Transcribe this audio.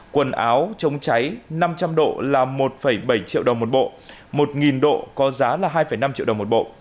quần áo chống cháy năm trăm linh độ là một bảy triệu đồng một bộ một nghìn độ có giá là hai năm triệu đồng một bộ